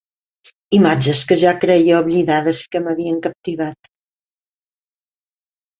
Imatges que ja creia oblidades i que m'havien captivat.